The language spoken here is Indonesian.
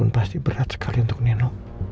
pasti berat sekali untuk neno